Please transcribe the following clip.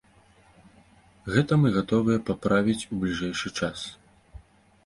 Гэта мы гатовыя паправіць у бліжэйшы час.